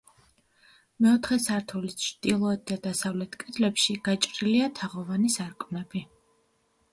მეოთხე სართულის ჩრდილოეთ და დასავლეთ კედლებში გაჭრილია თაღოვანი სარკმლები.